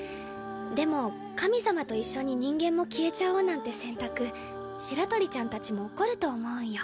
でも神様と一緒に人間も消えちゃおうなんて選択白鳥ちゃんたちも怒ると思うんよ。